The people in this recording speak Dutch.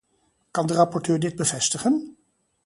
Kan de rapporteur dit bevestigen?